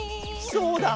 そうだ！